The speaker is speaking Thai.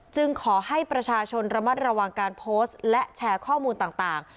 ขอให้ประชาชนระมัดระวังการโพสต์และแชร์ข้อมูลต่าง